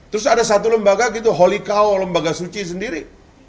terus ada satu lembaga gitu holikow lembaga suci sendiri